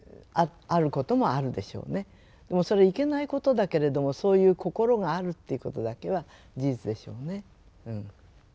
もうそれいけないことだけれどもそういう心があるっていうことだけは事実でしょうね。